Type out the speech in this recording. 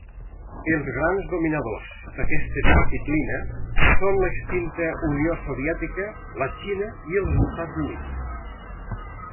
Els grans dominadors d'aquesta disciplina són l'extinta Unió Soviètica, la Xina i els Estats Units.